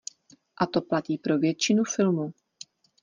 A to platí pro většinu filmu.